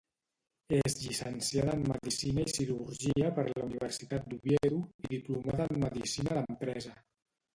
És llicenciada en medicina i cirurgia per la Universitat d'Oviedo i diplomada en medicina d'empresa.